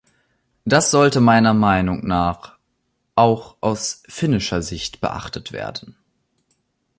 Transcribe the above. Das sollte meiner Meinung nach auch aus finnischer Sicht beachtet werden.